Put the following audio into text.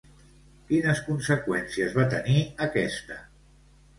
Quines conseqüències va tenir aquesta?